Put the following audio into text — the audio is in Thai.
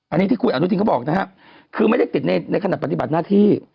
อันนี้ที่คุณอนุทินเขาบอกนะครับคือไม่ได้ติดในขณะปฏิบัติหน้าที่